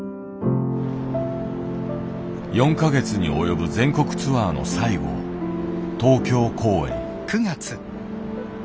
４か月に及ぶ全国ツアーの最後東京公演。